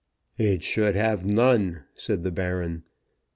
"It should have none," said the Baron.